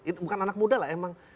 itu bukan anak muda lah emang